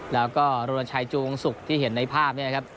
แล้วก็รณชัยจูงศุกร์ที่เห็นในภาพเนี่ยครับ